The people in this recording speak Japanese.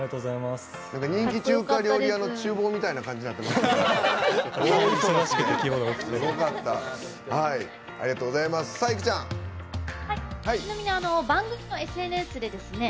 人気中華料理屋のちゅう房みたいな感じになってましたね。